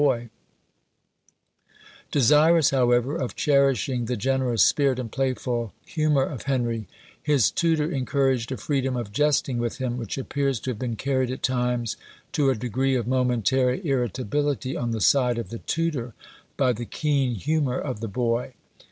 Desirous, however, of cherishing the generous spirit and playful humour of Henry, his tutor encouraged a freedom of jesting with him, which appears to have been carried at times to a degree of momentary irritability on the side of the tutor, by the keen humour of the boy.